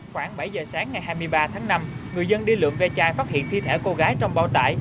khoảng bảy giờ sáng ngày hai mươi ba tháng năm người dân đi lượm ve chai phát hiện thi thể cô gái trong bao tải